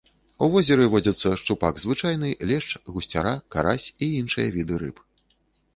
У возеры водзяцца шчупак звычайны, лешч, гусцяра, карась і іншыя віды рыб.